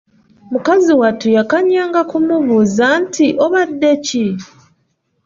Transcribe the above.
Mukazi wattu yakanyanga kumubuuza nti: Obadde ki?